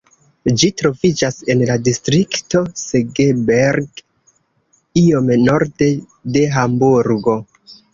Ĝi troviĝas en la distrikto Segeberg, iom norde de Hamburgo.